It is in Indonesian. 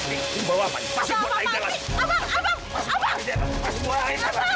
ini ini bawa apa ini pasti buat aida lah